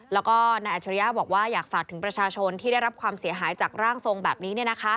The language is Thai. แล้วก็นายอัจฉริยะบอกว่าอยากฝากถึงประชาชนที่ได้รับความเสียหายจากร่างทรงแบบนี้